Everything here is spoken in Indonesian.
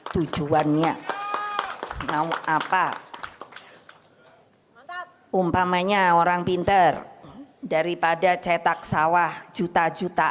tujuannya mau apa umpamanya orang pinter daripada cetak sawah juta juta